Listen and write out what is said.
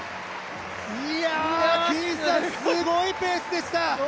いや、金さん、すごいペースでした。